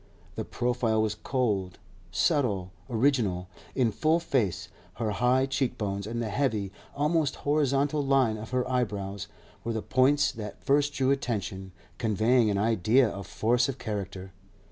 The profile was cold, subtle, original; in full face, her high cheekbones and the heavy, almost horizontal line of her eyebrows were the points that first drew attention, conveying an idea of force of character.